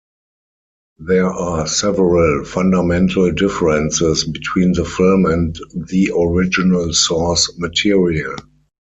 There are several fundamental differences between the film and the original source material.